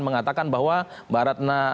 mengatakan bahwa mbak ratna